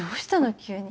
急に。